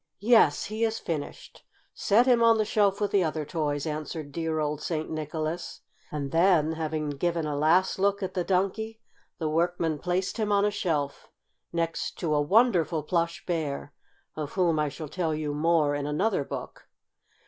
"Yes, he is finished. Set him on the shelf with the other toys," answered dear old St. Nicholas, and then, having given a last look at the Donkey, the workman placed him on a shelf, next to a wonderful Plush Bear, of whom I shall tell you more in another book.